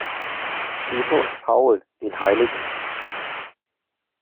Peter und Paul, den hl.